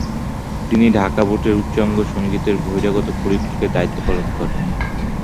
তিনি ঢাকা বোর্ডের উচ্চাঙ্গসঙ্গীতের বহিরাগত পরীক্ষকের দায়িত্ব পালন করেন।